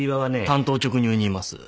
単刀直入に言います。